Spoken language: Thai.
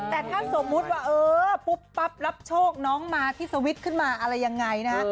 แต่ถ้าสมมุติว่าเออปุ๊บปั๊บรับโชคน้องมาที่สวิตช์ขึ้นมาอะไรยังไงนะฮะ